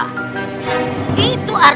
maka tidak diragukan lagi